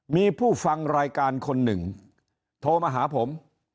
มีผู้ฟังรายการคนหนึ่งโทรมาหาผม